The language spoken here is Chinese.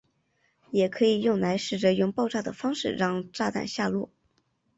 也可以用来试着用爆炸的方式让炸弹下落。